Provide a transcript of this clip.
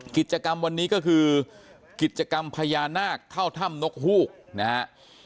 กิจกรรมวันนี้ก็คือกิจกรรมพญานาคเข้าถ้ำนกฮูกนะฮะ